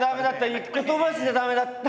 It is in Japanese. １個飛ばしで駄目だった！